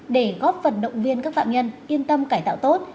để góp phần động viên các phạm nhân yên tâm cải tạo tốt